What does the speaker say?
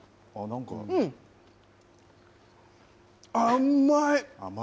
甘い。